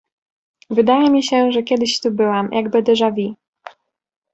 Wydaje mi się, że kiedyś tu byłam, jakby deja vu.